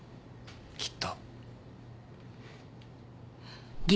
きっと。